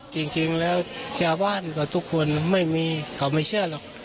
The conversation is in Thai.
จริงแล้วชาวบ้านกับทุกคนไม่มีเขาไม่เชื่อหรอก